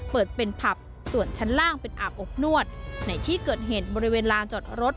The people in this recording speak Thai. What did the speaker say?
เปิดเป็นผับส่วนชั้นล่างเป็นอาบอบนวดในที่เกิดเหตุบริเวณลานจอดรถ